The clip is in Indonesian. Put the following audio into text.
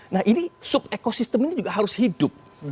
nah ini sub ekosistem ini juga harus hidup